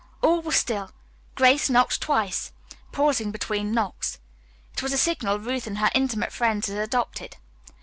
All was still. Grace knocked twice, pausing between knocks. It was a signal Ruth and her intimate friends had adopted.